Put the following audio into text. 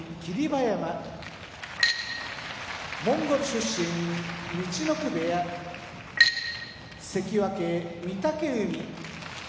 馬山モンゴル出身陸奥部屋関脇・御嶽海